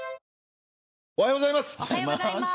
おはようございます。